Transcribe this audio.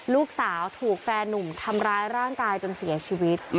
ลูกสาวถูกแฟนหนุ่มทำร้ายร่างกายจนเสียชีวิต